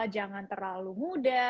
jangan terlalu muda